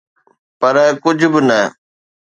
پر ڪجھ به نه.